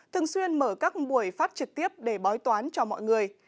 thường xuyên mở các buổi phát trực tiếp để bói toán cho mọi người